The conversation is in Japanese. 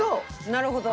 なるほど。